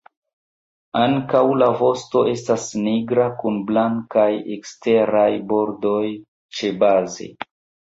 Ankaŭ la vosto estas nigra kun blankaj eksteraj bordoj ĉebaze.